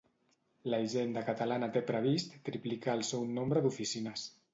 La Hisenda catalana té previst triplicar el seu nombre d'oficines.